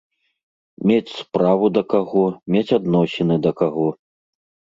Мець справу да каго, мець адносіны да каго.